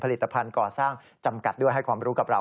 ผลิตภัณฑ์ก่อสร้างจำกัดด้วยให้ความรู้กับเรา